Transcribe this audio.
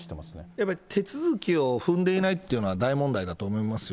やっぱり手続きを踏んでいないというのは大問題だと思いますよ。